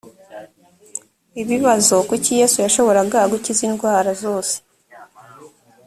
ibibazo kuki yesu yashoboraga gukiza indwara zose